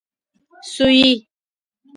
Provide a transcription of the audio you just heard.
سويي